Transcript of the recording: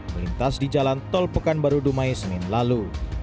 melintas di jalan tol pekanbaru dumai senin lalu